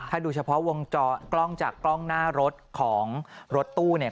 ถ้าดูเฉพาะวงจอกล้องจากกล้องหน้ารถของรถตู้เนี่ย